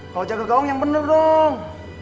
kalo jaga gaung yang bener dong